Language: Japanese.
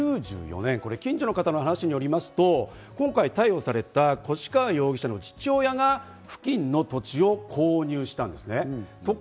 １９９４年、近所の方の話によりますと、今回逮捕された越川容疑者の父親が、付近の土地を購入したんですね。